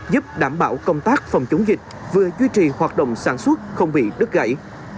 giúp đảm bảo công tác phòng chống dịch vừa duy trì hoạt động sản xuất không bị đứt gãy